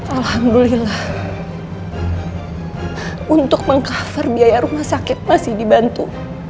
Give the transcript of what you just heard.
alhamdulillah untuk meng cover biaya rumah sakit masih dibantu